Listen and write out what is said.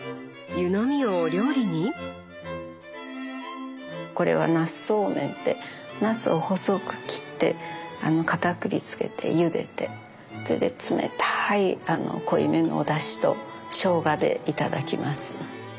湯飲みをお料理に⁉これはなすそうめんってなすを細く切ってかたくりつけてゆでてそれで冷たい濃いめのおだしとしょうがでいただきますね。